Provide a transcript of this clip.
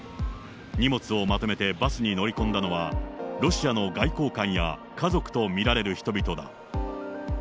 荷物をまとめてバスに乗り込んだのは、ロシアの外交官や家族と見られる人々だ。